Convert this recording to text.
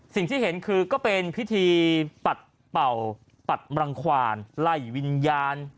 สิ่งที่เห็นคือก็เป็นพิธีปัดเป่าปัดมรังควานไล่วิญญาณ